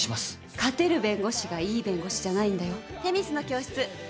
勝てる弁護士がいい弁護士じゃないんだよ。